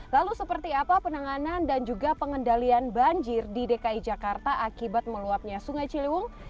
lalu seperti apa penanganan dan juga pengendalian banjir di dki jakarta akibat meluapnya sungai ciliwung